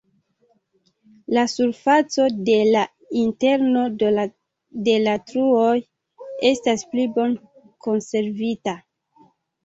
La surfaco de la interno de la truoj estas pli bone konservita.